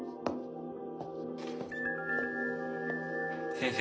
先生。